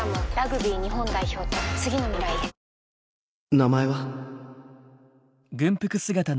名前は？